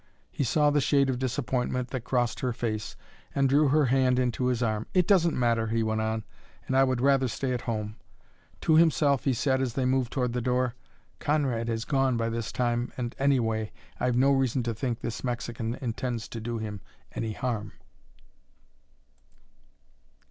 He saw the shade of disappointment that crossed her face, and drew her hand into his arm. "It doesn't matter," he went on, "and I would rather stay at home." To himself he said as they moved to the door, "Conrad has gone by this time, and, anyway, I've no reason to think this Mexican intends to do him any harm."